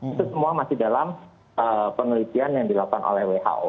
itu semua masih dalam penelitian yang dilakukan oleh who